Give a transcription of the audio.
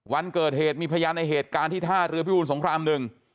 วันเกิดเหตุมีพยานในเหตุการณ์ที่ท่าเรือพิบูรสงครามหนึ่ง